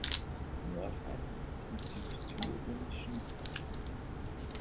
Nordheim liegt im südthüringischen Grabfeld.